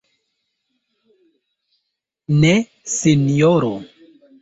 Ne, sinjoro.